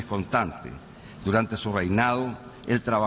ขอบคุณครับ